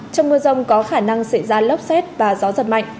trong mưa rông có khả năng xảy ra lốc xét và gió giật mạnh